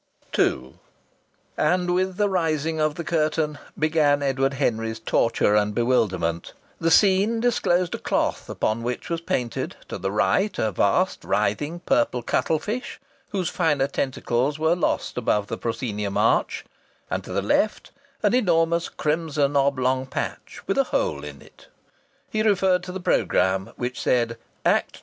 II And with the rising of the curtain began Edward Henry's torture and bewilderment. The scene disclosed a cloth upon which was painted, to the right, a vast writhing purple cuttle fish whose finer tentacles were lost above the proscenium arch, and to the left an enormous crimson oblong patch with a hole in it. He referred to the programme, which said: "Act II.